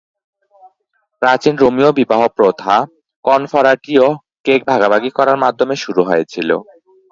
প্রাচীন রোমীয় বিবাহ প্রথা "কনফরাটিও" কেক ভাগাভাগি করার মাধ্যমে শুরু হয়েছিল।